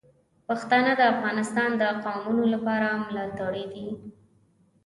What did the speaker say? پښتانه د افغانستان د قومونو لپاره ملاتړي دي.